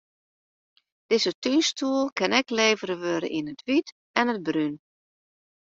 Dizze túnstoel kin ek levere wurde yn it wyt en it brún.